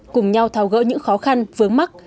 cùng nhau thao gỡ những khó khăn vướng mắt